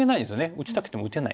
打ちたくても打てない。